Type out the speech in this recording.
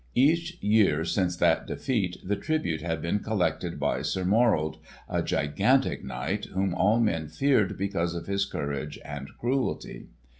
Each year since that defeat the tribute had been collected by Sir Morold a gigantic knight whom all men feared because of his courage and cruelty.